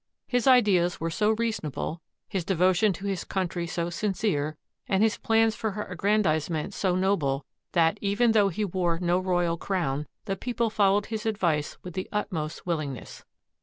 His ideas were so reasonable, his devotion to his country so sincere, and his plans for her aggrandizement so noble, that, even though he wore no royal crown, the people followed his advice with the utmost willingness.